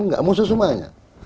enggak musuh semuanya